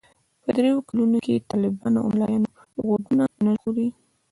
په دې کلونو کې طالبان او ملايان غوږونه نه ژغوري.